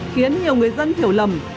khiến nhiều người dân hiểu lầm